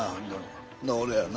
俺やな。